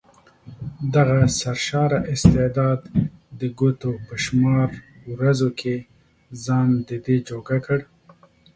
دغه سرشاره استعداد د ګوتو په شمار ورځو کې ځان ددې جوګه کړ.